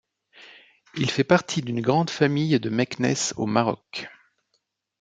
Il fait partie d'une grande famille de Meknès au Maroc.